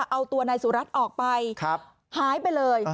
เอาตัวนายสุรัตน์ออกไปหายไปเลย